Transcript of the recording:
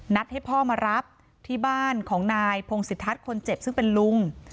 ให้พ่อมารับที่บ้านของนายพงศิทัศน์คนเจ็บซึ่งเป็นลุง